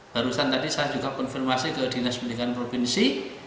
barusan tadi saya juga konfirmasi ke dinas pendidikan provinsi